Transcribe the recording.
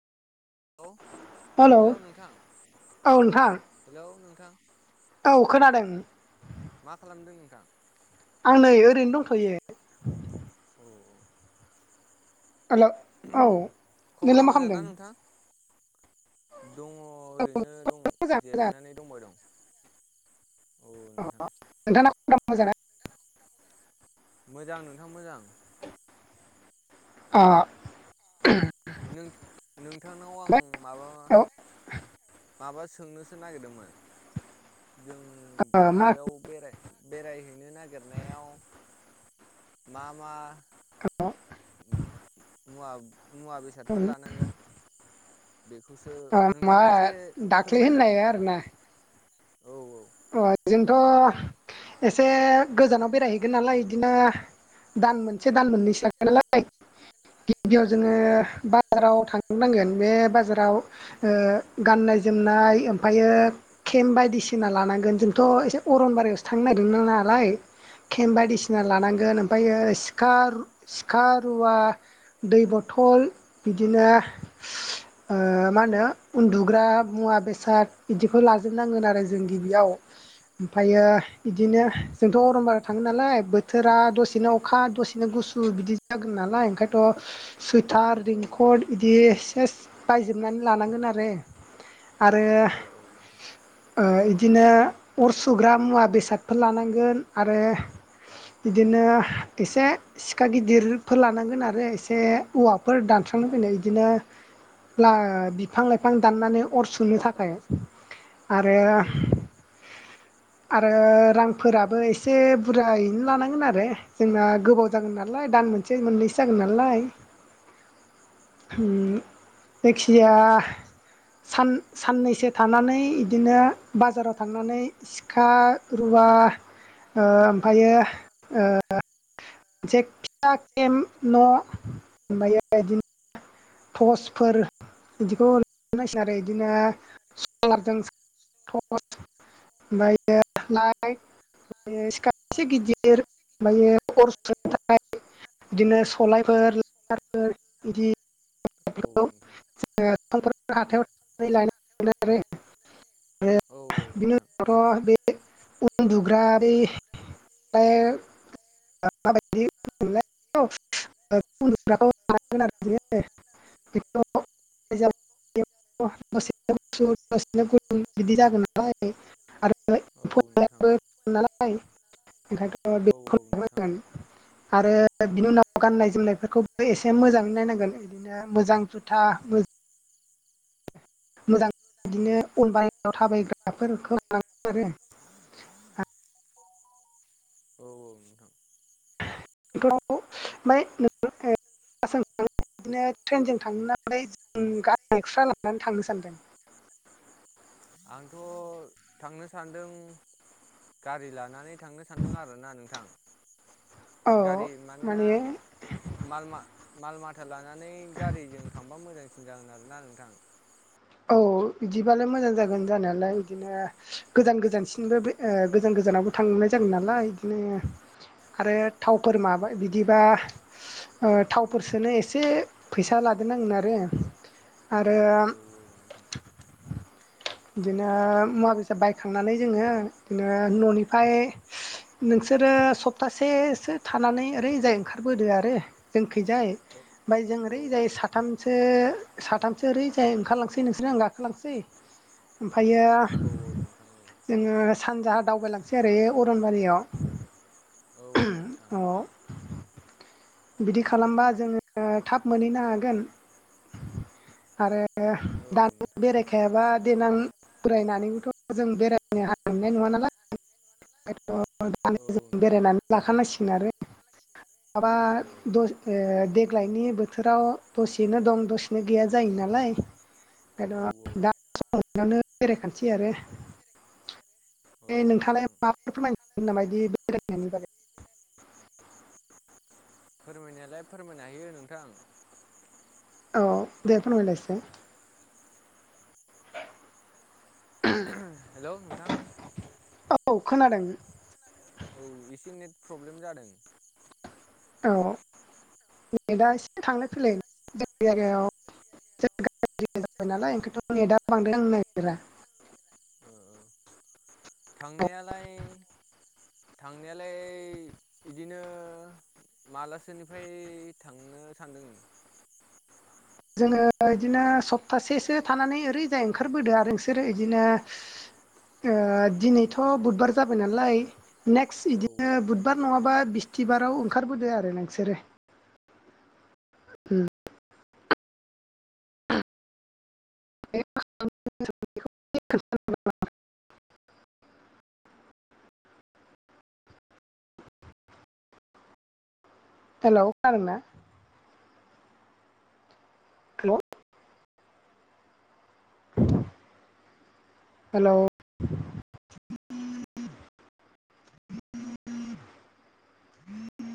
औ हेलौ नोंथां? औ नोंथां हेलौ नोंथां? औ खोनादों। मा खालामदों नोंथां? आं नै ओरैनो दंथ'यो। अ' हेलौ औ नोंलाय खबरा मा मोजांना खालामदों नोंथां? दङ ओरैनो दं मोजां मोजां जिरायनानै दंबाय दं। औ अ नोंथां। नोंथांना खबरा मोजां ना? मोजां नोंथां मोजां। अ' नों-नोंथांनाव आं माबा औ माबा सोंनोसो नागिरदोंमोन। जों ओ मा माबायाव बेराय बेरायहैनो नागिरनायाव मा मा मुवा- मुवा बेसादफोर ओ लानांगोन? बेखौसो मा नोंथाङा एसे दाख्लै फोरमायलाय होननाय आरोना औ औ अ बेजोंथ' एसे गोजानाव बेरायहैगोन नालाय इदिनो दान मोनसे दान मोननैसो थागोन नालाय गिबियाव औ जोङो नोंथां बाजाराव थां थनांगोन बे बाजाराव ओ गाननाय -जोमनाय ओमफायो केम्प बायदिसिना लानां गोन जोंथ' एसे अरनबारियावसो थांनो नागिरदोंमोन नालाय केम बायदिसिना औ नोंथां लानांगोन ओमफ्रायो सिखा सिखा रुवा दै बथल बिदिनो दिनोा [unintelligible] ओ मा होनो उन्दुग्रा मुवा बेसाद बिदिफोर लाजोबनांगोन आरो जों गिबियाव। ओमफ्रायो बिदिनो जोंथ' अरनबारियाव थाङो नालाय बोथोरा दसेनो अखा दसेनो गुसु सु बिदि जागोन नालाय ओंखायनोथ' सै थार औ नोंथां रेनखर्द बिदि सेस बायजोबनानै लानांगोन आरो। आरो औ औ नोंथां ओ इदिनो अर सुग्रा मुवा बेसादफोर लानांगोन आरो। बिदिनो एसे सिखा गिदिरफोर लानांगोन आरो एसे औवाफोर दानस्रांनो जोंना इदिनो। लाओ बिफां- लाइफां दाननानै अर सुनो थाखाय आरो औ औ [inaudible] आरो रांफोराबो एसे बुरजायैनो लानांगोन आरो जोंना गोबाव जागोन नालाय दान मोन सै मोननैसो जागोन नालाय। [inaudible] उम औ जायखिजाया। सान साननैसो थानानै इदिनो बाजाराव थांनानै सिखा रुवा ओ ओमफायो ओ [unintelligible] मोनसे [unintelligible] न' होनबायो इदिनो। टसफोर इदिखौ [unintelligible] नाय सिङा आरो इदिनो सलारजों। टर्स ओमफ्रायो लाइट। ओमफायो सिखाथि गिदिर ओमफायो अर सुनो थाखाय। बिदिनो सलायफोर [unintelligible] इदि औ नोंथां [unintelligible] औ नोंथां औ नोंथां [unintelligible] दाथ' बे उन्दुग्रा बै [unintelligible] [unintelligible] [unintelligible] [unintelligible] दसे गुसु दसेनो गुदुं बिदि जागोन नालाय आरो औ औ [unintelligible] नालाय औ [unintelligible] नोंथां। आरो बिनि उनाव गाननाय जोमनायफोरखौबो एसे मोजाङै नायनांगोन नो मोजां जुथा मो मोजां बिदिनो अन बाहेरायाव थाबायग्राफोरखौ [unintelligible] आरो [inaudible] [inaudible] औ-औ नोंथां। हेलौ माय [unintelligible] बासजों थांनानै बिदिनो ट्रेनजों थांनानै जों गारि एक्सट्रा लानानै थांनो सानदों। आंथ' थांनो सानदों। गारि लानानै थांनो सानदों आरोना नोंथां। औ गारि मानोना माने माल मा माल मा था लानानै गारिजों थांबा मोजांसिन जागोन आरोना नोंथां। औ इदिबालाय मोजां जागोन जानायालाय इदिनो गोजान गोजानसिनबो बे ओ गोजान गोजानावबो थांनाय जागोन नालाय इदिनो। खारो थावफोर माबा बिदिबा ओ थावफोर सोनो एसे फैसा लादेरनांगोन आरो आरो औ औ नोंथां। इदिनो मुवा बेसाद बायखांनानै जोङो नो न'निफाय नोंसोरो सप्तासेसो थानानै ओरैजाय ओंखारबोदो आरो जोंखैजाय। बाय जों ओरै जोंनिखैजाय जाय साथामसो-साथामसो ओरै जाय ओंखारलांसै नोंसोरनो आं गाखोलांसै। ओमफायो ओमफ्राय जोङो सानजाहा दावबायलांसै आरो ए अरनबारियाव। औ औ नोंथां। अ बिदि खालामबा जोङो थाब मोनहैनो हागोन आरो रो दानफाय बेराय दानो बेरायखायाबा देनां बोरायनानैथ' जों बेरायनो हानाय नोंआ। थ' द बेरायनानै लाखानांसिगोन आरो लाखानांसिगोन माबा आरो दस ओ देग्लायनि बोथोराव दसेनो दं दसेनो गैया जायो नालाय। ओंखाय दा सम मोन्नायावनो बेरायखानोसै आरो। बे नोंथाङालाय नङाबा माफोर फोरमायो नामा बेबायदि बेरायनायनि बागै। फोरमायनायालाय फोरमायनो हायो नोंथां। औ दे फोरमायलाय एसे। हेल' नोंथां औ खोनादों। औ एसे नेट प्रब्लेम जादों। औ नेदा एसे थांलाय फैलाय जोंनि जायगायावबो। गाज्रि जाबाय नालाय ओंखायनोथ' नेटआ बांद्राय नांनो नागिरा। औ औ थांनायालाय थांनायालाय इदिनो मालासोनिफ्राय थांनो सानदों? जोङो बिदिनो सप्तासेसो थानानै ओरैजाय ओंखारबोदो आरो नोंसोरो इदिनो ओ दिनैथ' बुधबार जाबाय नालाय नेक्स्ट औ बिदिनो नोंथां बुधबार नङाबा बुधबार नङाबा बिस्थिबाराव ओंखारबोदो आरो नोंसोरो। [unintelligible] हेल' खोनादोंना? हेल' हेल'